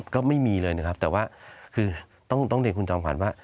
ก็ไม่มีเลยนะครับแต่ว่าคือต้องเรียนคุณจอมขวัญว่า